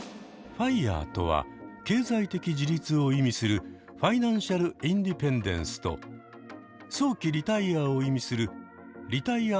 ＦＩＲＥとは経済的自立を意味するファイナンシャルインディペンデンスと早期リタイアを意味するリタイア